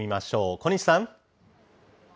小西さん。